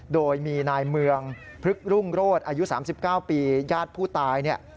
โดยมีนายเมืองพฤกรุงโรศอายุ๓๙ปีญาติผู้ตายเนี่ย